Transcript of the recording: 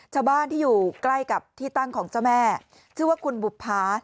ชาวบ้านที่อยู่ใกล้กับที่ตั้งของเจ้าแม่ชื่อว่าคุณบุภา